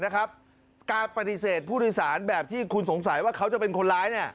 การปฏิเสธผู้โดยสารแบบที่คุณสงสัยว่าเขาจะเป็นคนร้าย